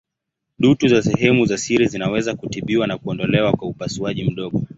Dutu za sehemu za siri zinaweza kutibiwa na kuondolewa kwa upasuaji mdogo.